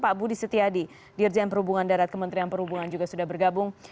pak budi setiadi dirjen perhubungan darat kementerian perhubungan juga sudah bergabung